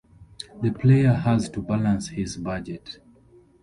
The player has to balance his budget.